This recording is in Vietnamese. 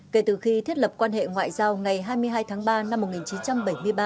kể từ khi thiết lập quan hệ ngoại giao ngày hai mươi hai tháng ba năm một nghìn chín trăm bảy mươi ba